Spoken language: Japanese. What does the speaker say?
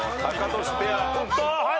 はい！